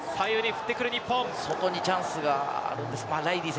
そこにチャンスがあるんです。